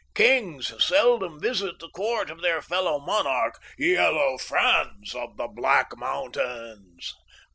Kings seldom visit the court of their fellow monarch, Yellow Franz of the Black Mountains.